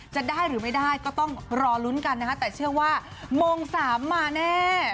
จะได้หรือไม่ได้ก็ต้องรอลุ้นกันนะคะแต่เชื่อว่าโมง๓มาแน่